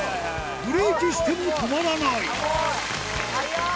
ブレーキしても止まらない速っ！